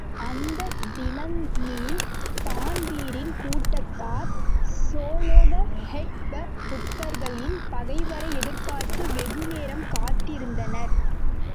அந்தத் தினத்நில் தான்பிரீன் கூட்டத்தார் ஸோலோஹெட்பக் புதர்களில் பகைவரை எதிர்பார்த்து வெகு நேரம் காத்திருந்தனர்.